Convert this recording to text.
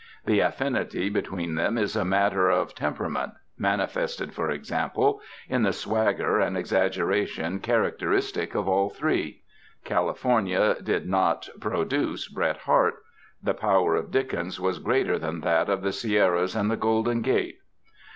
The affinity between them is a matter of temperament, manifested, for example, in the swagger and exaggeration characteristic of all three. California did not "produce" Bret Harte; the power of Dickens was greater than that of the Sierras and the Golden Gate.